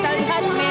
di salah satu negara